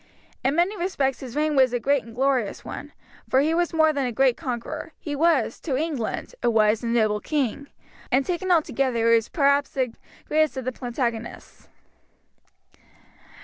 In many respects his reign was a great and glorious one, for he was more than a great conqueror, he was, to England, a wise and noble king; and taken altogether he was perhaps the greatest of the Plantagenets.